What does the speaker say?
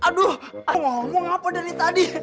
aduh ngomong apa dari tadi